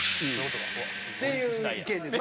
っていう意見です。